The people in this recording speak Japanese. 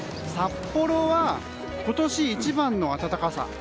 札幌は今年一番の暖かさ。